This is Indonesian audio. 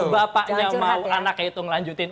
jadi bapaknya mau anaknya itu ngelanjutin